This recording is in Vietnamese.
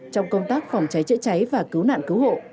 trong công tác phòng cháy chữa cháy và cứu nạn cứu hộ